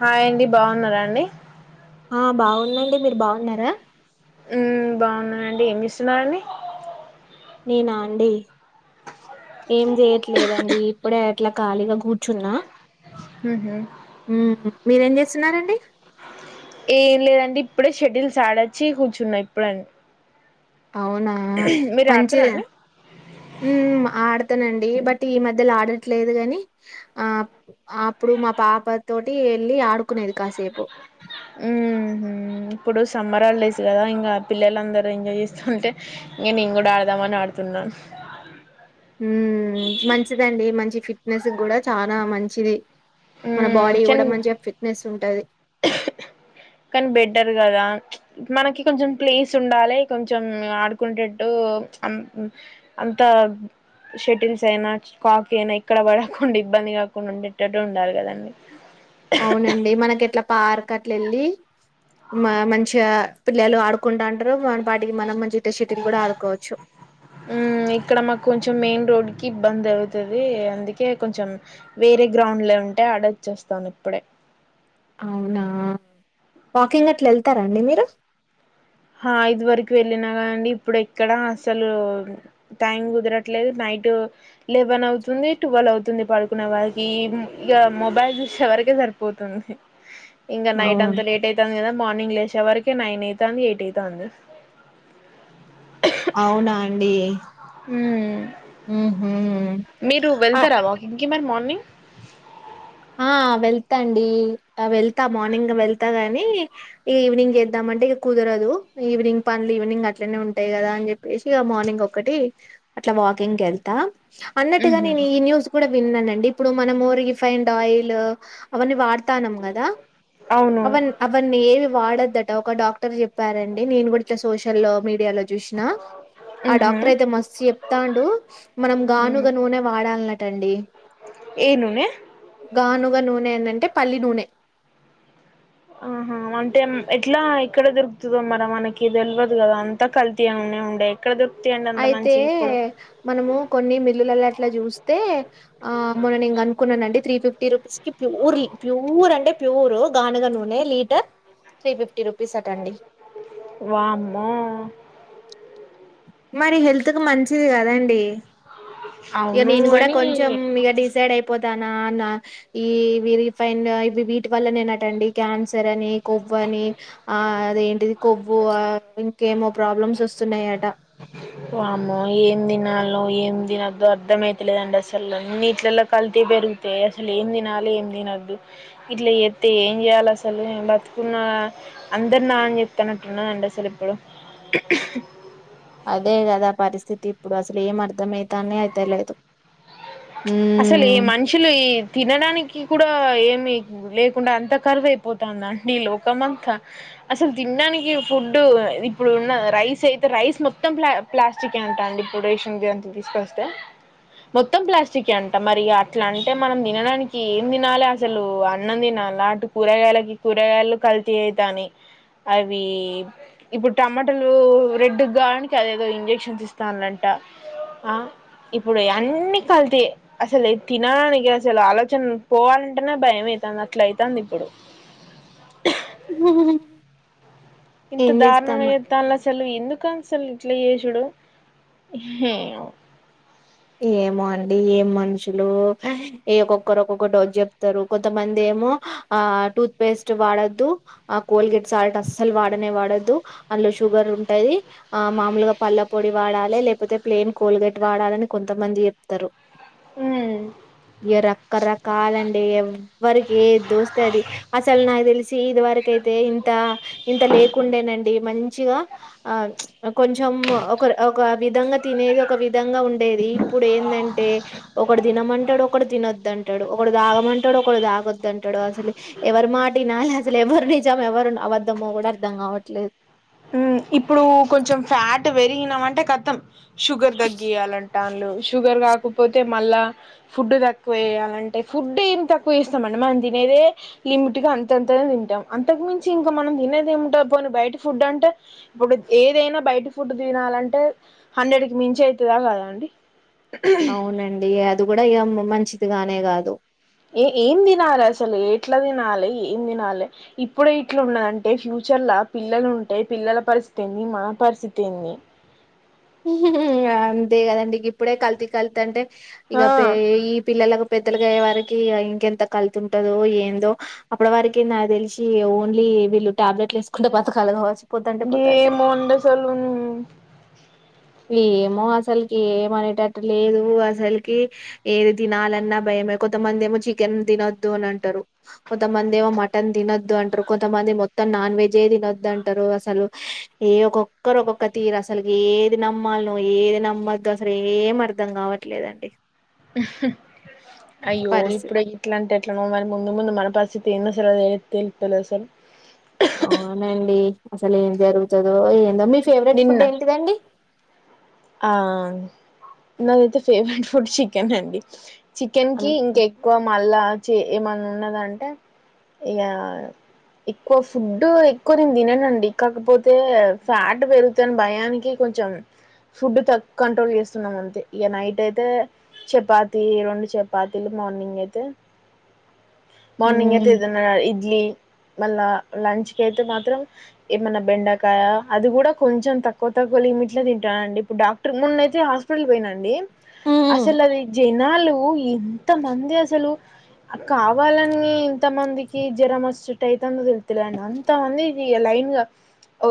హాయండి. బాగున్నారాండి ఆ బాగుందండి మీరు బాగున్నారా హ్మ్ బాగున్నానండి ఏమి ఇస్తున్నారండి నేనా అండి ఏం చేయట్లేదండి ఇప్పుడే అట్లా ఖాళీగా కూర్చున్నా మ్హూ మీరేం చేస్త వస్తున్నారండి ఏం లేదండి ఇప్పుడే షెడ్యూల్ సాడొచ్చి కూర్చున్నా ఇప్పుడం అవునా మంచి అండి ఆడతానండి బట్ ఈ మధ్యలో ఆడట్లేదు ని ఆ అప్పుడు మా పాప తోటి వెళ్ళి ఆడు కునేదు కాసేపు మ్హూ ఇప్పుడు సమ్మర్ హాలిడేస్ కదా ఇంకా పిల్లలందరూ ఎంజాయ్ చేస్తుంటే ఇంక నేను కూడా ఆడదామని ఆడుతున్నాను ఉ మంచిదండి మంచి ఫిట్నెస్ కూడా చాలా మంచిది మన మ్మ్ బాడీ చన్ కూడా మంచిగా ఫిట్నెస్ ఉంటది కానీ బెటర్ కదా మనకి కొంచెం ప్లేస్ ఉండాలి కొంచెం ఆడుకునేట్టు అంత షటిల్స్ అయినా కాక్ అయినా ఇక్కడ పడకుండా ఇబ్బంది కాడకుండా ఉండేటట్టు ఉండాలి కదండి అవునండి మనకి ఎట్లా పార్క్ అట్లు వెళ్ళి మంచిగా పిల్లలు ఆడుకుంటుంటారు వాటికి మనం మంచిత సెటిల్ కూడా ఆడుకోవచ్చు కిబ్బంద్ అవుతుది అందుకే కొంచెం వేరే గ్రౌండ్ లో ఉంటే ఆడ వచ్చేస్తాను ఇప్పుడే అవునా వాకింగ్ అట్లా వెళ్తారండి మీరు ఆ అయిదు వరకు వెళ్ళినా కాండి ఇప్పుడు ఎక్కడ అసలు టైం కుదరట్లేదు నైట్ లెవెన్ అవుతుంది ట్వల్వ అవుతుంది పడుకునే వారికి ఇక మొబైల్ చూసే వరకే సరిపోతుంది ఇంకా నైట్ అంత అవును లేట్ అయితుంది కదా మార్నింగ్ లేచే వరకు నైన్ అయితాంది ట్ట ద అంద అవునా అండి మ్మ్ మీరు ఆ వెళ్తారా వాకింగ్ కి గుడ్ మార్నింగ్ ఆ వెళ్తాండి వెళ్తా మార్నింగ్ వెళ్తా గాని ఇక ఈవినింగ్ చేద్దామంటే ఇక కుదరదు ఈవినింగ్ పనులు ఈవినింగ్ అట్లనే ఉంటాయి కదా అని చెప్పేసి ఇక మార్నింగ్ ఒకటి అట్లా వాకింగ్కి వెళ్తా అన్నట్టుగా నేను మ్మ్ ఈ న్యూస్ కూడా విన్నా అ ఇప్పుడు మనం రిలీఫ్ ఆయిల్ అవన్న వాడతా కదా అవును అ అవన్నీ వాడద్దట ఒక డాక్టర్ చెప్ప చెప్పారండి నేను కూడా ఇట్లా సోషల్ మీడియాలో చూసిన ఆ డాక్టర్ అయితే మస్తు చెప్తాడు మనం మ్మ్ గానుగా నూనె వాడాలన్నటండి ఏ నూనె గానుగా నూనె ఏంటంటే పల్లి నూనె ఆహా అంటే ఎట్లా ఇక్కడ దొరుకుతుందో మరి మనకి తెలియదు కదా అంతా కల్తీగా ఉ ఉండే ఎక్కడ దొరు అయితే మనము కొన్ని మిల్లుల అట్లా చూస్తే ఆ మొననిం అనుకున్నానండి త్రీ ఫిఫ్టీ రూపీస్ కి ప్యూర్ ప్యూర్ అంటే ప్యూర్ గానుగా నూనె లీటర్ త్రీ ఫిఫ్టీ రూపీస్ అటండి వామ్మో మరి హెల్ త్ కు మంచిది కదండి ఇక అవును నేను కూడా అని కొంచెం ఇగ డిసైడ్ అయిపో తనాన ఈ రిఫైన్డ్ ఈ ఇవ్వి వీటి వల్లనే నటండి కాన్స్ తరని కొవ్వు అని ఆ అదేంటిది కొవ్వు ఆ ఇంకేమో ప్రాబ్లమ్స్ వస్తున్నాయట వామ్మో ఏం తినాలో ఏం తినొద్దొ అర్థంమయితలేదండి అసలు అన్నిట్లలో కల్తీ పెరుగుతే అసలు ఏం తినాలి ఏం తినొద్దు ఇట్లా చేత్తే ఏం చేయాలి అసలు బ్రతుకున్న అందరునా అని చెప్తానట్టున్నదండి అసలు ఇప్పుడు తి ఇప్పుడు అసలు ఏం అర్ధమైతానే అయితే లేదు అసలు ఈ మనుషులు ఈ తినడానికి కూడా ఏం మీక్ లేకుండా అంతా కరువైపోతావుందా అండి లోకం నాక అసలు తినడానికి ఫుడ్డు ఇప్పుడు ఉన్న రైస్ ఐతే రైస్ మొత్తం ప్ల ప్లాస్టిక్ ఏ అంటాండి ఇప్పుడు రేషన్ బియ్యం తో తీసుకొస్తే మొత్తం ప్లాస్ట్ చికి అంట మరి ఇగ అట్ల అంటే మనం తినడానికి ఏం తినాలి అసలు అన్నం తినాల్నా అటు కూరగాయలకి కూరగాయలు కల్తీ ఐతాన్నయ్ అవి ఇప్పుడు టమాటాలు రెడ్డుగ్గావడానికి అదేదో ఇంజక్షన్స్ ఇస్తాన్లంట అ ఇప్పుడు అన్నీ కల్తీయే అసలు తినడానికి అసలు ఆలోచన పోవాలంటేనే భయమైతాంది అట్ల అయితాంది ఇప్పుడు హ ఇంత దారుణంగా చేత్తాంల సలు ఎందుక అసలు ఇట్ల చేసుడు ఏమో అండి ఏం మనుషులు ఏ ఒక్కొక్కరు ఓక్కొక్క డోస్ చెప్తారు కొంతమంది ఏమో ఆ టూత్ పేస్ట్ వాడొద్దు ఆ కోల్గేట్ సాల్ట్ అస్సలు వాడనే వాడొద్దు అందులో షుగర్ ఉంటది ఆ మామూలుగా పళ్ళ పొడి వాడాలి లేకపోతే ప్లెయిన్ కోల్గేట్ వాడాలని కొంతమంది చెప్తారు ఉమ్ ఇయ రకరకాలండి ఎవ్వరికి ఏది తోస్తే అది అసలు నాకు తెలిసి ఇదివరకైతే ఇంత ఇంత లేకుండేనండి మన్ చిగా ఆ కొంచం ఒక విధంగా తినేది ఒక విధంగా ఉన్ టాడు ఒకడు తాగమంటాడు ఒకడు తాగొద్దంటాడు అసలు ఎవరి మాట ఇనాలి అసలు ఎవరి నిజం ఎవరు అబద్దమో కూడా అర్థం కావట్లేదు ఉమ్ ఇప్పుడు కొంచెం ఫ్యాట్ ట్ పెరిగినం అంటే ఖతం షుగర్ తగ్గియ్యాలంట లు షుగర్ కాకపోతే మళ్ళ ఫుడ్ తక్కువెయ్యాలంటే ఫుడ్ ఏం తక్కువ చేసినామండి మనం తినేదే లిమిట్ గా అంతంత తింటాం అంతకు మించి ఇంక మనం తినేదేముంట పోని బయట ఫుడ్ అంటే ఇప్పుడు ఏదైనా బయట ఫుడ్ తినాలంటే హండ్రెడ్ కి మించి ఐతదా కాదా అండి అవునండి ఇ అది కూడా ఇగ మంచిది కా నే కాదు ఏ ఏం తినాలి అసలు ఎట్లా తినాలి ఏం తినాలి ఇప్పుడే ఇట్లా ఉన్నదంటే ఫ్యూచర్లా పిల్లలు ఉంటే పిల్లల పరిస్థితి ఏంది మన పరిస్థితి ఏంది అంతే కదండి ఇప్పుడే కల్తీ కల్తంటే ఇగ ఆ పే ఈ పిల్లలకు పెద్ తలుగాయ్యే వరికి ఇంకెంత కల్తుంటదో ఏందో అప్పటి వరికి నాకి తెలిసి ఓన్లీ వీళ్ళు టాబ్లెట్లు వేసుకుంటా బతకాలు కావచ్చు పోతంటే పోతంటే ఏమో అండసలు ఏమో అసలుకి ఏమనేటట్టు లేదు అసలుకి ఏది తినాలన్నా భయమే కొంతమంది ఏమో చికెన్ తినొద్దు అని అంటారు కొంతమంది ఏమో మటన్ తినొద్దు అంటారు కొంతమంది మొత్తం నాన్ వెజ్జే తినొద్ అంటారు అసలు ఏ ఒక్కొక్కరు ఒక్కొక్క తీరు అసలుకి ఏ ది నమ్మాలో ఏది నమ్మదు అసలు ఏం అర్ధం కావట్లేదండి అయ్యో పరిస్థితి ఇప్పుడే ఎట్లా అంటే ఎట్లనో మరి ముందు ముందు మన పరి స్ధితేందసలు [unintelligible] తెలుత్త లేదసలు అవునండి అసలు ఏం జరుగుతదో ఏందో మీ ఫేవరెట్ నిన్న ఫుడ్ ఏంటిదండి ఆ నాదైతే ఫేవరెట్ ఫుడ్ చికెన్ అండి చికెన్ కి ఇంకా ఎక్కువ మళ్ళా చే ఏమన్నా ఉన్నదంటే ఇక ఎక్కువ ఫుడ్ ఎక్కువ తిననండి కాకపోతే ఫ్యాట్ పెరుగుతుని భయానికి కొంచెం ఫుడ్ తక్కు కంట్రోల్ చేస్తున్నాం అంతే ఇక నైట్ అయితే చపాతి రెండు చపాతీలు మార్నింగ్ అయితే మార్నింగ్ ఉమ్ ఎయితేదన ఇడ్లీ మళ్ళా లంచ్ క అయితే మాత్రం ఏమన్నా బెండకాయ అది కూడా కొంచెం తక్కువ తక్కువ లిమిట్ లో తంటాను అండి ఇడు డాక్టర్ మోనా అయ్తే పోయిన అండి ఉమ్ అసలు అది జైల్ నాలుగు ఈ ఎంత మంది అసలు కావాలని ఇంత మందికి జ్వరం వచ్చట్ అయితుందో తెలు తెలేండి అంతమంది లైన్ గా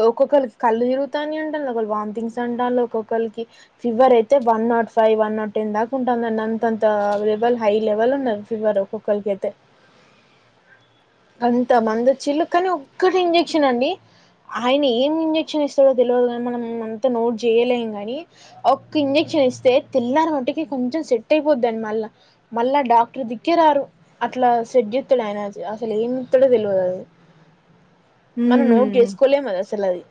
ఒక్కొక్కరి కళ్ళు తరుగుతాని అంటను ఒకరు వామిటింగ్స్ అంటాల ఒకక్కొక్కరికి ఫీవర్ అయితే one nought five one nought ten దాకా ఉంటుందిండి తంత అవైబల్ హై లెవల్ ఉన్నారు ఫీవర్ ఒక్కొక్కరిక అయితే అంత మంది వచ్చిల్ళ కానీ ఒక్కటి ఇంజెక్షన్ అండి ఆయన ఏమి ఇంజక్షన్ క్షన్ ఇస్తాడో తెలియదు కానీ మనం అంత నోట్ చేయలేం నీ ఒక్క ఇంజక్షన్ ఇస్తే తెలిల మట్కి కొంచెం సెట్ అయిపోదిండి మళ్ళ మళ్ళా డాక్టర్ దిగరారు అట్లా సెడ్ ఇస్తాడు ఆయన అసలు ఏమిస్తాడో తెలియదు అ మనం నోట్ చేసుకోలేముది అసలు అది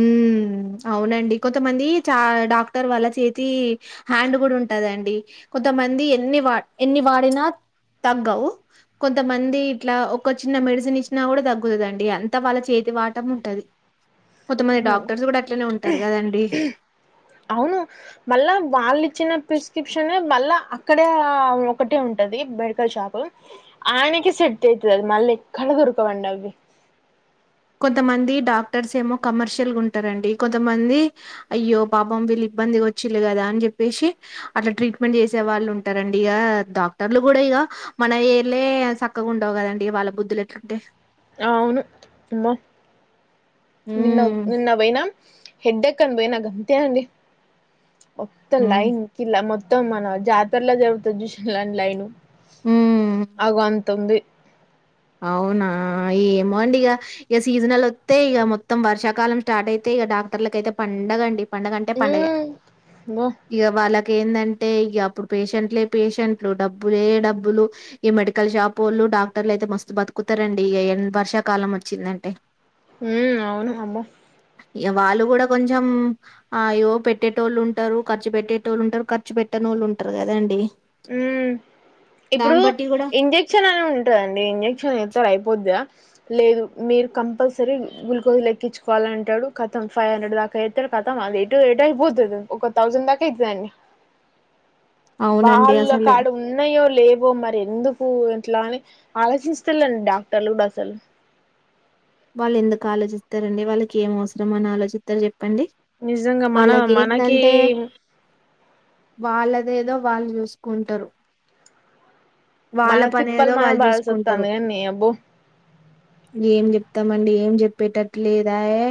ఉమ్ అవునండి కొంతమంది చా డాక్టర్ వాళ్ళ చేతి హ్యాండ్ కూడా ఉంటందండి కొంతమంది ఎన్ని వా ఎన్ని వాడినా తగ్గవు కొంతమంది ఇట్లా ఒక చిన్న మెడిసిన్ ఇచ్చినా కూడా తగ్గుతుందండి అంతా వాళ్ళ చేతి వాటం ఉంటుంది ఉమ్ అవును మళ్ళా వాళ్ళు ఇచ్చిన ప్రిస్క్రిప్షన్ మళ్ళా అక్కడ ఒకటే ఉంటది మెడికల్ షాపు ఆయనకి సెట్ అవుతుంది అది మళ్ళీ ఎక్కడ దొరకవండి అవి కొంతమంది డాక్టర్స్ ఏమో కమర్షియల్గా ఉంటారండి కొంతమంది అయ్యో పాపం వీళ్ళు ఇబ్బంది వచ్చిళ కదా అని చెప్పేసి అట్లా ట్రీట్మెంట్ చేసే వాళ్ళు ఉంటారండి ఇక డాక్టర్లు కూడా ఇక మన ఏర్లే చక్కగా ఉండవు కదండి వాళ్ళ బుద్ధులు ఎట్లుంటే అవును అమ్మో నిన్న ఉమ్ నిన్న పోయినా హెడ్డ ఎ కం పోయి నా గంత అండి ఒకత్త ఉమ్ లైన్ క మొ మత్తం మన జాతరలా జరుగుతుంది చ్యూషన్ లా లైన్ ఉమ్ అగో అంత ఉంది అవునా ఏమో అండి ఇక ఇక సీజనల్ థె ప్రేక మొత్తం వర్షా కాలం స్టార్ట్ అయితే ఇక డాక్టర్ల అయ్తే పండగ అండి పండుగ అంటే మ్మ్ పండుగ అమ్మో ఇక వాళ్ళ ఏందంటే ఇక అప్పుడు పేషెంట్లే పేషెంట్లు డబ్బులే డబ్బులు ఈ మెడికల్ షాప్ వాళ్ళు డాక్టర్లు అయితే మ బతుకుతారండి ఇక ఎడు వర్ష కాలం వచ్చిందంటే ఉమ్ అవును అమ్మ ఇ వాళ్ళు కూడా కొంచెం అయ్యో పెట్టేట వాళ్ళు ఉంటారు ఖర్చు పెట్టేటోళ్ళు ఉంటారు ఖర్చు పెట్టన వాళ్ళు ఉంటారు కదాండి ఉమ్ ఇప్పుడు కూడా ఇంజెక్షన్ అని ఉంటాందండి ఇంజెక్షన్ అస్తారు అయిపోద్దా లేదు మీరు కంపల్సరీ గ్లుకోజ్ లెక్కించుకోవాలి అంటాడు కథం ఫైవ్ హండ్రెడ్ దాకా ఎస్తాడు కథం అది ఎటు ఎటు అయిపోతుంది ఒక థౌజండ్ దాకా ఐతదండి అవునండి వాళ్ళు అసలు కాడా ఉన్నాయో లేవో మరి ఎందుకు ఇట్లా అని ఆలోచిస్తలేండి డాక్టర్లు అసలు వాళ్ళు ఎందుకు ఆలోచిస్తారండి వాళ్ళకి ఏం అవసరం అని ఆలోచిస్తారు చెప్పారు నిజంగా మన మనకి వాళ్ళదేదో వాళ్ళు చూసుకుంటారు మన వాళ్ళ పని తిప్పల్ ఏదో మనం వాళ్ళు చూసుకుంటారు పడాల్సొస్తుంది కాదనే అబ్బో ఏం ఏం చెప్తామండి ఎమ్ చెప్పేటట్లు లేదయే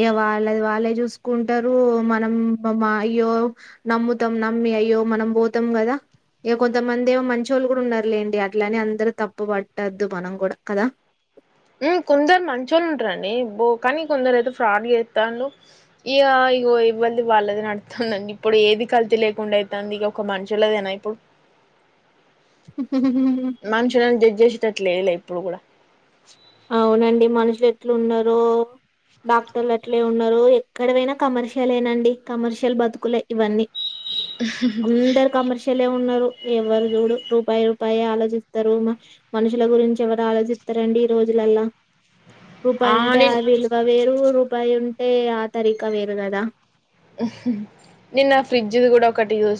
ఇక వాళ్ళది వాళ్ళే చూసుకుంటారు మనం మా అయ్యో నమ్ముతాం నమ్మి అయ్యో మనం పోతాం కదా ఇక కొంతమంది ఏమో మంచోళ్లు కూడా ఉన్నారు లేండి అట్లాని అందరిని తప్పు పట్టద్దు మనం కూడా కదా కొందరు మంచోళ్ళు ఉంటారండి కానీ కొందరు అయితే ఫ్రాడ్ చేస్తాండ్రు ఇక ఇగో ఎవ్వరిది వాళ్ళదే నడుతాంది అండి ఇప్పుడు ఏది కల్తీ లేకుండా అతాంది ఇక ఒక మనుషులదేనా ఇప్పుడు మనుషులని జాడ్జ్ చేసాటట్లు లేదులే ఇప్పుడు పపుప్పులుగుడ అవునండి మనుషులు ఎట్లు ఉన్నార డాక్టర్ల అట్లే ఉన్నారు ఎక్కడవైనా కమర్షియల్ ఏనాండి కమర్షియల్ బతుకులే ఇవన్నీ అందరు కమర్షియల్ ఉన్నారు ఎవరు చూడు రూపాయి రూపాయి ఆలోచిస్తారు మనుషుల గురించి ఎవరు ఆలోచిస్తారండి రోజులల్ల రూపాయి ఉంటే ఆ విలువ వేరు అబ్బాయి ఉంటే ఆ తరికా వేరు కదా నిన్న ఫ్రిడ్జ్ కూడా ఒకటి చూసాను